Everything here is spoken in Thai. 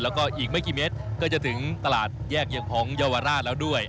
แล้วก็อีกไม่กี่เมตรก็จะถึงตลาดแยกเอียงพองเยาวราชแล้วด้วย